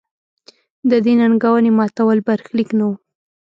د دې ننګونې ماتول برخلیک نه و.